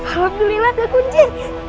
alhamdulillah gak kunci